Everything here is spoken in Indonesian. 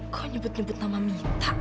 kok nyebut nyebut nama mita